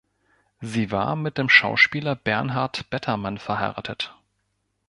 Sie war mit dem Schauspieler Bernhard Bettermann verheiratet.